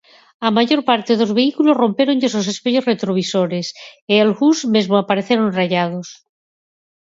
Á maior parte dos vehículos rompéronlles os espellos retrovisores, e algúns mesmo apareceron raiados.